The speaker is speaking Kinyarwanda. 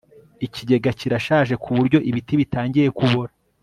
Ikigega kirashaje kuburyo ibiti bitangiye kubora